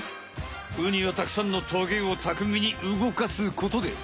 ウニはたくさんのトゲをたくみに動かすことで。